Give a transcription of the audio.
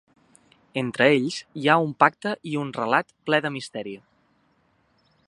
Entre ells hi ha un pacte i un relat ple de misteri.